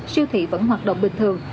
siêu thị vẫn hoạt động bình thường